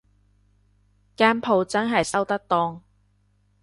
間舖真係收得檔